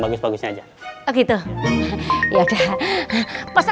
bagus bagus aja gitu ya udah